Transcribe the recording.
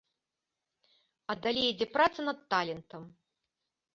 А далей ідзе праца над талентам.